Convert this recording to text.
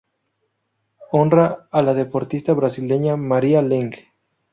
Honra a la deportista brasileña María Lenk.